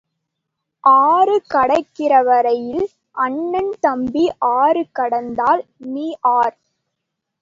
ஆறு கடக்கிறவரையில் அண்ணன் தம்பி ஆறு கடந்தால் நீ ஆர்?